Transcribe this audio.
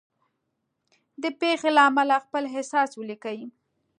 د پېښې له امله خپل احساس ولیکئ.